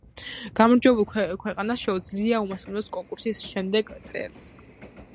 გამარჯვებულ ქვეყანას შეუძლია უმასპინძლოს კონკურსს შემდეგ წელს.